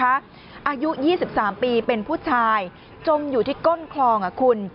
อายุ๒๓ปีเป็นผู้ชายจมอยู่ที่ก้นคลองคุณ